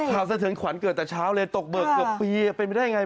สะเทือนขวัญเกิดแต่เช้าเลยตกเบิกเกือบปีเป็นไปได้ยังไง